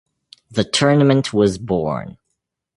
The tournament was born.